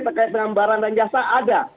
terkait dengan barang dan jasa ada